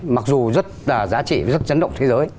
mặc dù rất là giá trị và rất chấn động thế giới